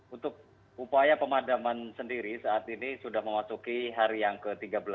untuk upaya pemadaman sendiri saat ini sudah memasuki hari yang ke tiga belas